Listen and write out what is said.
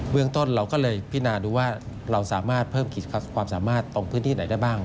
เรื่องต้นเราก็เลยพินาดูว่าเราสามารถเพิ่มกิจความสามารถตรงพื้นที่ไหนได้บ้าง